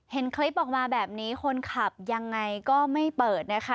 เห็นคลิปออกมาแบบนี้คนขับยังไงก็ไม่เปิดนะคะ